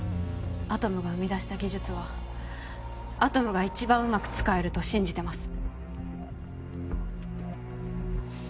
アトムが生み出した技術はアトムが一番うまく使えると信じてます